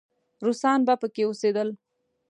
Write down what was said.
روسان به پکې اوسېدل.